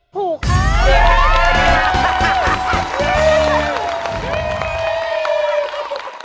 ถูกค่ะ